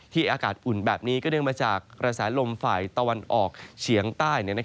อากาศอุ่นแบบนี้ก็เนื่องมาจากกระแสลมฝ่ายตะวันออกเฉียงใต้